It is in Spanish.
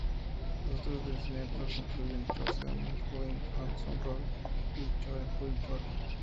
Los otros viceministros incluyen a Choe Son-hui, Han Song-ryol, y Choe Hui-chol.